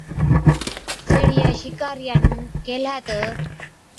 سيهڙِيئَي شِڪارِيئا نُون ڪيهلَي تہ،